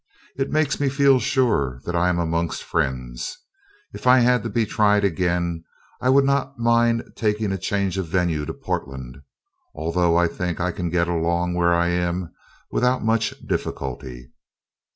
It makes me feel sure that I am amongst friends. If I had to be tried again, I would not mind taking a change of venue to Portland; although I think I can get along where I am without much difficulty.